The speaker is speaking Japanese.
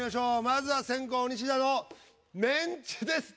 まずは先攻西田のメンチです。